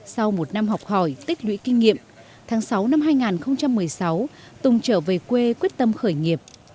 sau một năm học hỏi tích lũy kinh nghiệm tháng sáu năm hai nghìn một mươi sáu tùng trở về quê quyết tâm khởi nghiệp